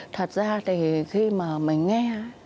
thật ra thì khi mà mình nghe